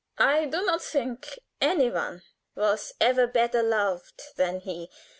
I do not think any one was ever better loved than he.